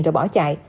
rồi bỏ chạy